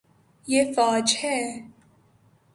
یے فوج ہے